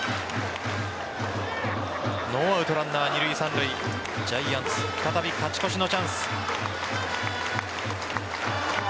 ノーアウトランナー二塁・三塁ジャイアンツ再び勝ち越しのチャンス。